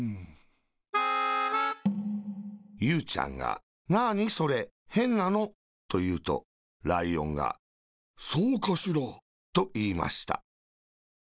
ゆうちゃんが「なーにそれ、へんなの？」というとライオンが「そうかしら。」といいました。